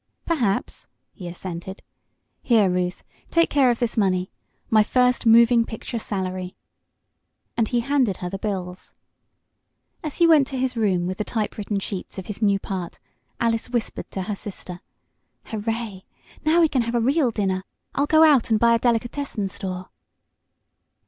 "Perhaps," he assented. "Here, Ruth, take care of this money my first moving picture salary," and he handed her the bills. As he went to his room with the typewritten sheets of his new part, Alice whispered to her sister: "Hurray! Now we can have a real dinner. I'll go and buy out a delicatessen store."